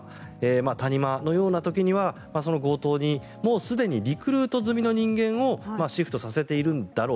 谷間のような時には、強盗にもうすでにリクルート済みの人間をシフトさせているんだろう